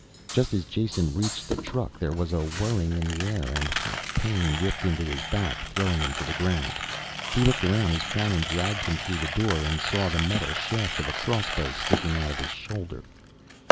Just as Jason reached the truck there was a whirring in the air and hot pain ripped into his back, throwing him to the ground. He looked around as Krannon dragged him through the door, and saw the metal shaft of a crossbow bolt sticking out of his shoulder.